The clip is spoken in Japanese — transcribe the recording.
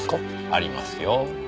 ありますよ。